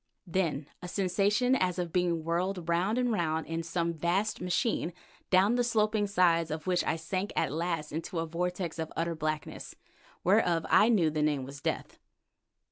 Then a sensation as of being whirled round and round in some vast machine, down the sloping sides of which I sank at last into a vortex of utter blackness, whereof I knew the name was death.